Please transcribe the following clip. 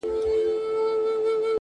شپه ده تياره ده خلک گورې مه ځه’